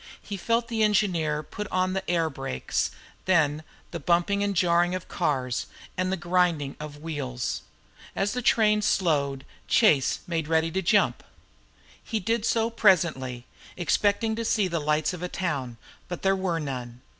He felt the engineer put on the air brake, then the bumping and jarring of cars, and the grinding of wheels. As the train slowed up Chase made ready to jump off. He did so presently, expecting to see the lights of a town, but there were none.